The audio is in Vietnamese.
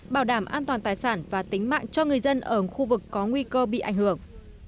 bảo đảm an toàn tài sản và tính mạng cho người dân ở khu vực có nguy cơ bị ảnh hưởng